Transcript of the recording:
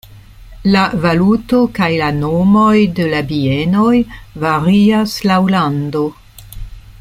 La valuto kaj la nomoj de la bienoj varias laŭ lando.